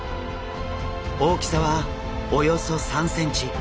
大きさはおよそ３ｃｍ。